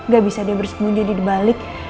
gak bisa dia bersembunyi di balik